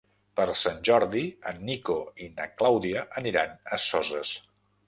Per Sant Jordi en Nico i na Clàudia aniran a Soses.